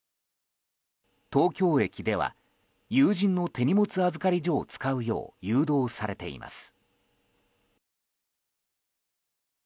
東京駅では有人の手荷物預かり所を使うよう誘導されています。